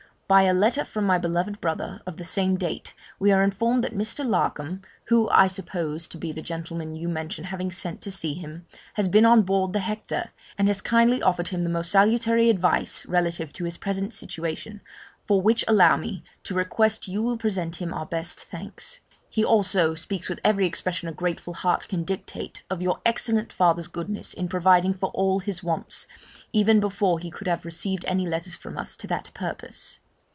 By a letter from my beloved brother, of the same date, we are informed that Mr. Larkham (whom I suppose to be the gentleman you mention having sent to see him) has been on board the Hector, and has kindly offered him the most salutary advice relative to his present situation, for which allow me to request you will present him our best thanks. He also speaks with every expression a grateful heart can dictate of your excellent father's goodness in providing for all his wants, even before he could have received any letters from us to that purpose.